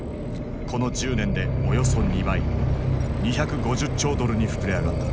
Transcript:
この１０年でおよそ２倍２５０兆ドルに膨れ上がった。